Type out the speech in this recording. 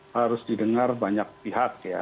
harus didengar banyak pihak ya